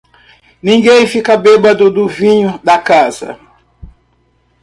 Ninguém fica bêbado do vinho da casa.